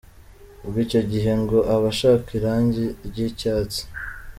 Ubwo icyo gihe ngo aba ashaka irangi ry’icyatsi.